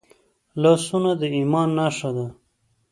لاسونه د ایمان نښه ده